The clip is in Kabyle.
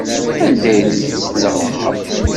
Anda ay tent-tesleɣmaḍ?